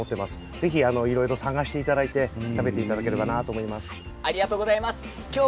ぜひいろいろ探していただいて食べていただければと思います。